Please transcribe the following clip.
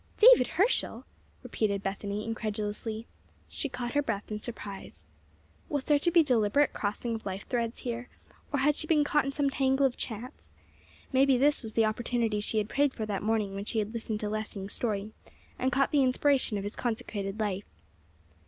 "David Herschel!" repeated Bethany, incredulously. She caught her breath in surprise. Was there to be a deliberate crossing of life threads here, or had she been caught in some tangle of chance? Maybe this was the opportunity she had prayed for that morning when she had listened to Lessing's story, and caught the inspiration of his consecrated life.